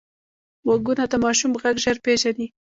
غوږونه د ماشوم غږ ژر پېژني